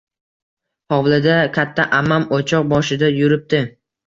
Hovlida katta ammam o`choq boshida yuribdi